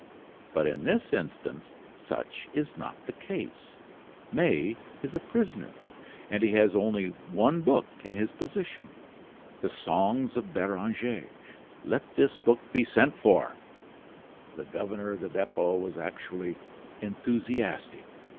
But in this instance such is not the case; May is a prisoner, and he has only one book in his possession, 'The Songs of Beranger.' Let this book be sent for " The governor of the Depot was actually enthusiastic.